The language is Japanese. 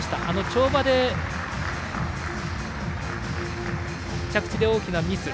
跳馬で着地で大きなミス。